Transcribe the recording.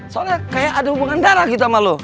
soalnya kayak ada hubungan darah gitu sama lo